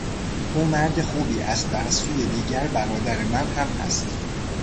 او مرد خوبی است و از سوی دیگر برادر من هم هست.